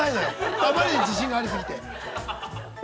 あまりに自信がありすぎて。